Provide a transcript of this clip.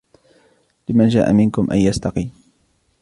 لِمَنْ شَاءَ مِنْكُمْ أَنْ يَسْتَقِيمَ